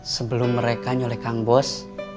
sebelum mereka nyole kang bos